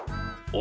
お！